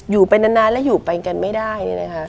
อยู่ไปนานแล้วอยู่ไปกันไม่ได้